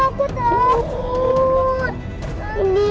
aku takut cik